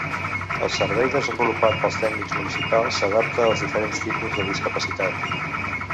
El servei desenvolupat pels tècnics municipals s’adapta als diferents tipus de discapacitat.